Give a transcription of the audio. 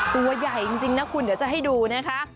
ตัวใหญ่จริงนะคุณเดี๋ยวจะให้ดูนะคะ